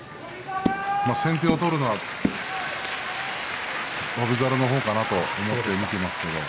先手を取るのは翔猿の方かなと思いますね。